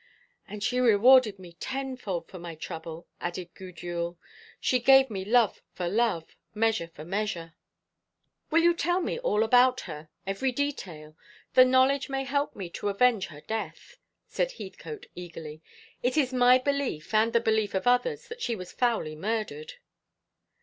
"And she rewarded me tenfold for my trouble," added Gudule; "she gave me love for love, measure for measure." "Will you tell me all about her every detail? The knowledge may help me to avenge her death," said Heathcote eagerly. "It is my belief, and the belief of others, that she was foully murdered."